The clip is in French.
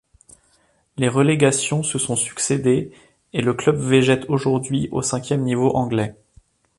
Les relégations se sont succédé et le club végète aujourd'hui au cinquième niveau anglais.